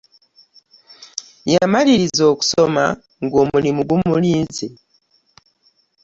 Yamaliriza okusoma nga n'omulimu gumulinze